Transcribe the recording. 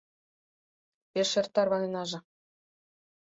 — Пеш эр тарваненаже.